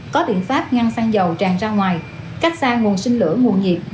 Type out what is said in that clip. có biện pháp ngăn xăng dầu tràn ra ngoài cách xa nguồn sinh lửa nguồn nhiệt